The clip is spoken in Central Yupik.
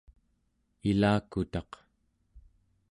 ilakutaq